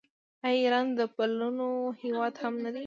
آیا ایران د پلونو هیواد هم نه دی؟